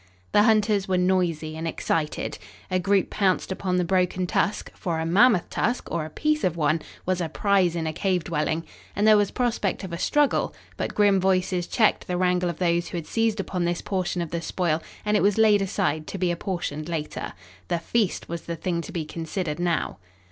The hunters were noisy and excited. A group pounced upon the broken tusk for a mammoth tusk, or a piece of one, was a prize in a cave dwelling and there was prospect of a struggle, but grim voices checked the wrangle of those who had seized upon this portion of the spoil and it was laid aside, to be apportioned later. The feast was the thing to be considered now.